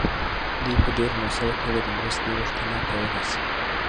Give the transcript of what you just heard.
دوی په ډیر مؤثره توګه د مرستې غوښتنه کولی سي.